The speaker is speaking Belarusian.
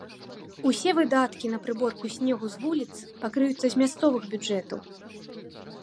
Усе выдаткі на прыборку снегу з вуліц пакрыюцца з мясцовых бюджэтаў.